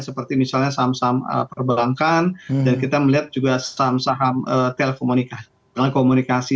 seperti misalnya saham saham perbankan dan kita melihat juga saham saham telekomunikasi